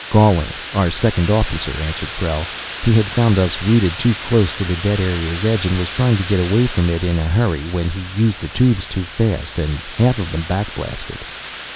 "Galling, our second officer," answered Krell. "He had found us routed too close to the dead area's edge and was trying to get away from it in a hurry, when he used the tubes too fast, and half of them back blasted."